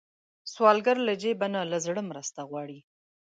سوالګر له جیب نه، له زړه مرسته غواړي